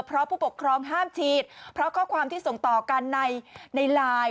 เพราะผู้ปกครองห้ามฉีดเพราะข้อความที่ส่งต่อกันในไลน์